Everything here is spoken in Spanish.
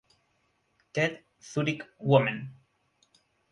Ted Zurich Women